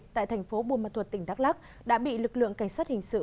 tại thành phố buôn ma thuật tỉnh đắk lắc đã bị lực lượng cảnh sát hình sự